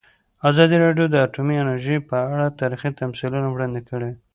ازادي راډیو د اټومي انرژي په اړه تاریخي تمثیلونه وړاندې کړي.